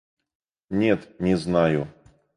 Нет, не знаю.